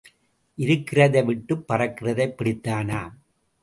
இருக்கிறதை விட்டுப் பறக்கிறதைப் பிடித்தானாம்.